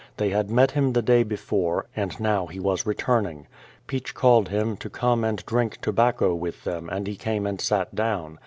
They had met him the day before, and now he was returning. Peach called him to come and drink to bacco with tliem, and he came and sat down.